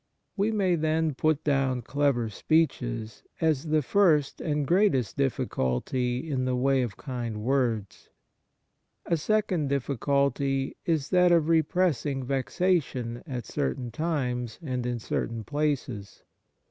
We may, then, put down clever speeches as the first and greatest difficulty in the way of kind words. A second difficulty is that of repressing vexation at certain times and in certain places.